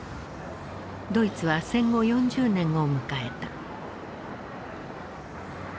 ドイツは戦後４０年を迎えた。